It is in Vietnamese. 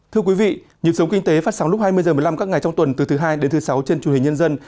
thưa quý vị nhiệm sống kinh tế phát sóng lúc hai mươi h một mươi năm các ngày trong tuần từ thứ hai đến thứ sáu trên truyền hình nhân dân